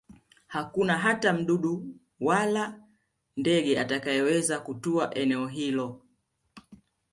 Hakuna hata mdudu wala ndege atakayeweza kutua eneo hilo